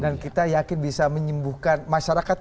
dan kita yakin bisa menyembuhkan masyarakat